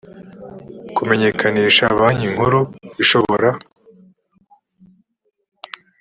kumenyekanishwa banki nkuru ishobora